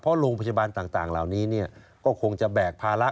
เพราะโรงพยาบาลต่างเหล่านี้ก็คงจะแบกภาระ